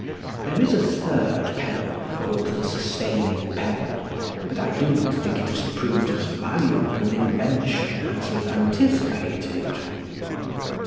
There is a third pedal called the sustaining pedal, but I do not think it has proved as valuable an invention as was anticipated.